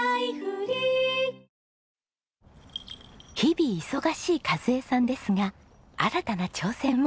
日々忙しい和枝さんですが新たな挑戦も。